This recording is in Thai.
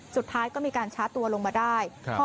สุดท้ายก็มีการชาร์จตัวลงมาได้